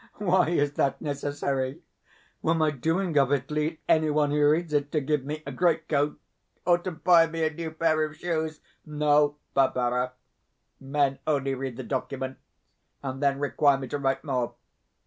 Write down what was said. Why is that necessary? Will my doing of it lead anyone who reads it to give me a greatcoat, or to buy me a new pair of shoes? No, Barbara. Men only read the documents, and then require me to write more.